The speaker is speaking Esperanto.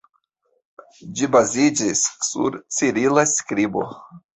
Ĝi baziĝas sur cirila skribo.